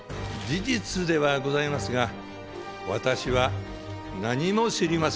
事実ではございますが私は何も知りませんでした。